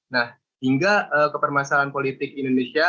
nah hingga kepermasalahan politik indonesia